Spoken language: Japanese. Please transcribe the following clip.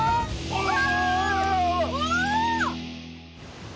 うわ！